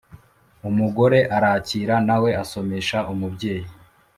umugore, arakira, na we asomesha umubyeyi